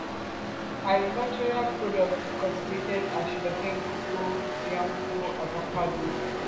Agricultural products cultivated are sugarcane, cacao, yuca, avocadoes and citrus fruits.